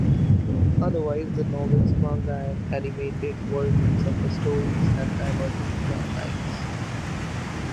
Otherwise, the novels, manga, and animated versions of the stories have divergent plotlines.